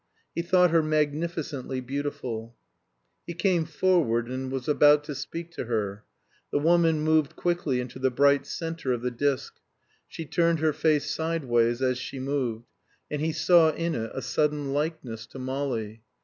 He thought her magnificently beautiful. He came forward and was about to speak to her. The woman moved quickly into the bright center of the disc; she turned her face sideways as she moved, and he saw in it a sudden likeness to Molly.